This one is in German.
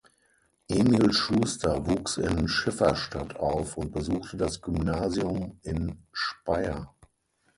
Emil Schuster wuchs in Schifferstadt auf und besuchte das Gymnasium in Speyer.